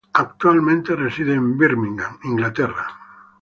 Actualmente reside en Birmingham, Inglaterra.